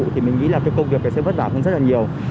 thì mình nghĩ công việc này sẽ vất vả rất là nhiều